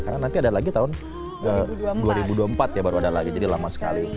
karena nanti ada lagi tahun dua ribu dua puluh empat ya baru ada lagi jadi lama sekali